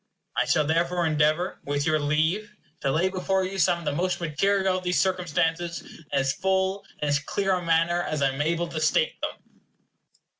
I shall therefore endeavor, with your leave, to lay before you some of the most material of these circumstances in as full and as clear a manner as I am able to state them.